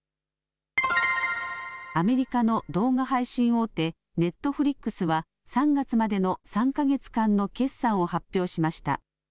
アメリカの動画配信大手、ネットフリックスは３月までの３か月間の決算を発表しました。